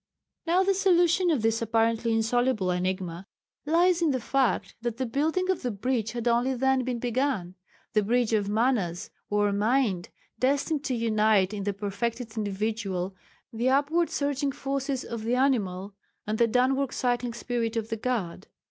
Now the solution of this apparently insoluble enigma lies in the fact that the building of the bridge had only then been begun the bridge of Manas, or mind, destined to unite in the perfected individual the upward surging forces of the animal and the downward cycling spirit of the God.